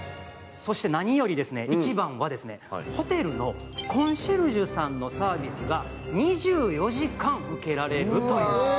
そして何より一番は、ホテルのコンシェルジュさんのサービスが２４時間受けられるという。